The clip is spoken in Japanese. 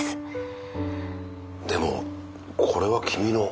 でもこれは君の。